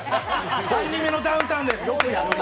３人目のダウンタウンです！